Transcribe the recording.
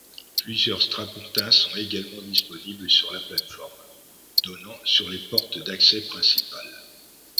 Plusieurs strapontins sont également disponibles sur la plateforme donnant sur les portes d'accès principales.